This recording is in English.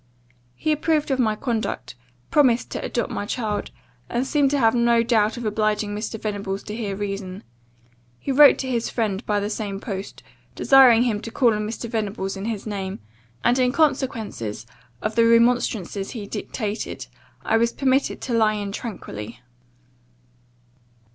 He approved of my conduct, promised to adopt my child, and seemed to have no doubt of obliging Mr. Venables to hear reason. He wrote to his friend, by the same post, desiring him to call on Mr. Venables in his name; and, in consequence of the remonstrances he dictated, I was permitted to lie in tranquilly.